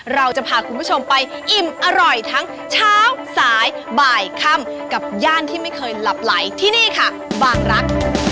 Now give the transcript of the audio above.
เราจะพาคุณผู้ชมไปอิ่มอร่อยทั้งเช้าสายบ่ายค่ำกับย่านที่ไม่เคยหลับไหลที่นี่ค่ะบางรัก